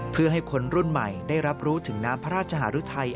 เพื่อให้คนรุ่นใหม่ได้รับรู้ถึงน้ำพระราชหารุทัย